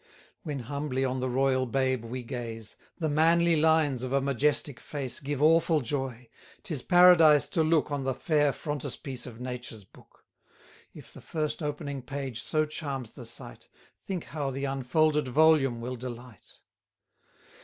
When humbly on the royal babe we gaze, The manly lines of a majestic face Give awful joy: 'tis Paradise to look On the fair frontispiece of Nature's book: If the first opening page so charms the sight, Think how the unfolded volume will delight!